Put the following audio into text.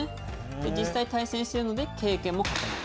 実際、対戦しているので経験も。